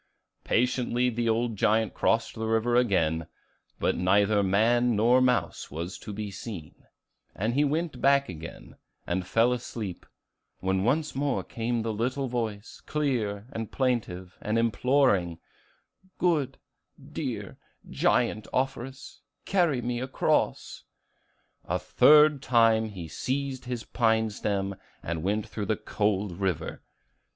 Patiently the old giant crossed the river again; but neither man nor mouse was to be seen; and he went back again, and fell asleep, when once more came the little voice, clear, and plaintive, and imploring, "Good, dear, giant Offerus, carry me across." The third time he seized his pine stem, and went through the cold river.